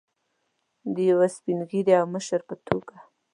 د یو سپین ږیري او مشر په توګه.